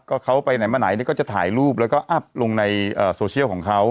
ก็เขาไปไหนมาไหนนี่ก็จะถ่ายรูปแล้วก็อัพลงในโซเชียลของเขา